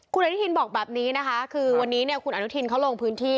คุณอนุทินบอกแบบนี้นะคะคือวันนี้เนี่ยคุณอนุทินเขาลงพื้นที่